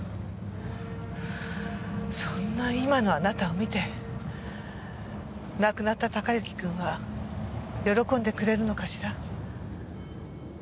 そんな今のあなたを見て亡くなった孝之くんは喜んでくれるのかしら？